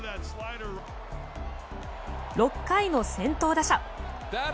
６回の先頭打者。